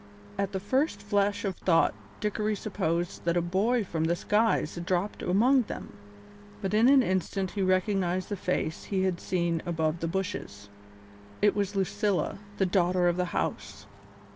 At the first flash of thought Dickory supposed that a boy from the skies had dropped among them, but in an instant he recognised the face he had seen above the bushes. It was Lucilla, the daughter of the house!